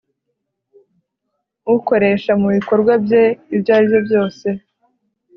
ukoresha mu bikorwa bye ibyo ari byose